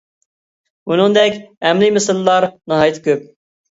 بۇنىڭدەك ئەمىلى مىساللار ناھايىتى كۆپ —.